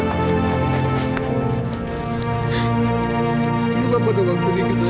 papa doang sedikit sayang